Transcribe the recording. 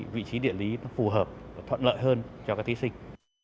vị trí địa lý nó phù hợp và thuận lợi hơn cho các thí sinh